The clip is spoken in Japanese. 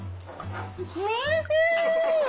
おいしい！